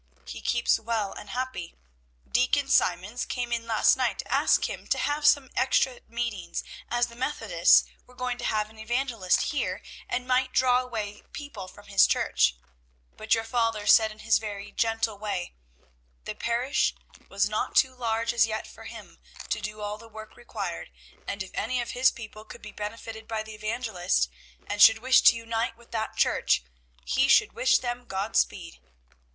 He keeps well and happy. Deacon Simonds came in last night to ask him to have some extra meetings, as the Methodists were going to have an evangelist here, and might draw away people from his church; but your father said in his gentle way, 'The parish was not too large as yet for him to do all the work required, and if any of his people could be benefited by the evangelist, and should wish to unite with that church, he should wish them Godspeed.'